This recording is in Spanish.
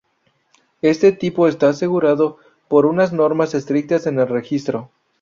Este tipo está asegurado por unas normas estrictas en el registro.